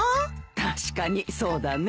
確かにそうだね。